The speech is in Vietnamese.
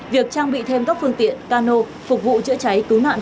việc trang bị thêm các phương tiện cano phục vụ chữa cháy cứu nạn